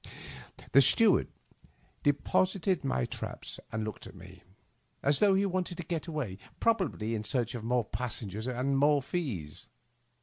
The steward deposited my traps and looked at me, as though he wanted to get away — probably in search of more passengers and more fees.